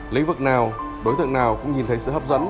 lĩnh vực nào đối tượng nào cũng nhìn thấy sự hấp dẫn